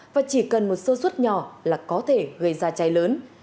và chỉ cần một sơ suất nhỏ là có thể gây ra cháy lớn